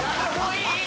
いい。